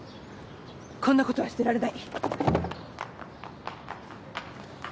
こんなことはしてられない。